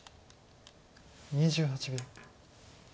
２８秒。